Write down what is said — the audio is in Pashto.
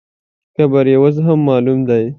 قبر یې اوس هم معلوم دی.